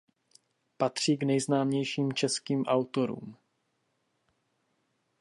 Patří k nejznámějším českým autorům.